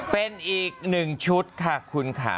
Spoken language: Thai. เป็นอีกหนึ่งชุดค่ะคุณค่ะ